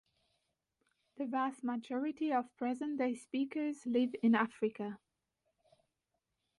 The vast majority of present-day speakers live in Africa.